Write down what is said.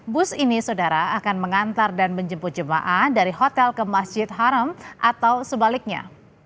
bus ini saudara akan mengantar dan menjemput jemaah dari hotel ke masjid haram atau sebaliknya